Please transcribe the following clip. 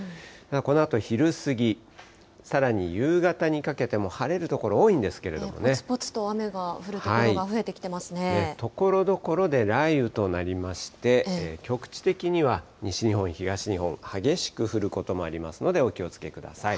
このあと昼過ぎ、さらに夕方にかけても晴れる所多いんですけれどぽつぽつと雨が降る所が増えところどころで雷雨となりまして、局地的には西日本、東日本、激しく降ることもありますので、お気をつけください。